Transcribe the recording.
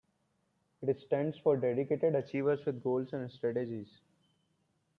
It stands for "Dedicated Achievers With Goals and Strategies".